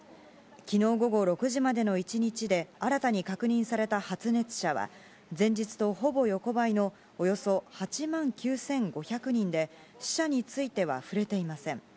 きのう午後６時までの１日で新たに確認された発熱者は、前日とほぼ横ばいの、およそ８万９５００人で死者については触れていません。